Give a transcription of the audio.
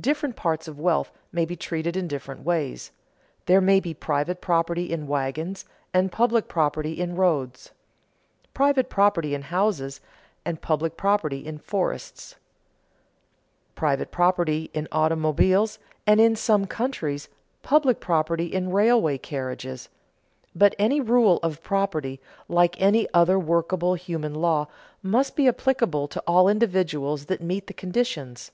Different parts of wealth may be treated in different ways: there may be private property in wagons, and public property in roads; private property in houses, and public property in forests; private property in automobiles, and, in some countries, public property in railway carriages. But any rule of property, like any other workable human law, must be applicable to all individuals that meet the conditions.